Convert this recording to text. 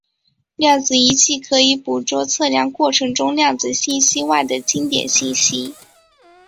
量子仪器可以捕捉测量过程中量子信息外的经典信息。